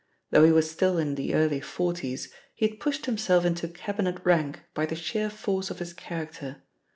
Though he was still in the early forties, he had pushed himself into Cabinet rank by the sheer force of his character.